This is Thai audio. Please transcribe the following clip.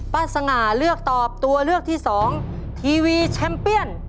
สง่าเลือกตอบตัวเลือกที่สองทีวีแชมเปียน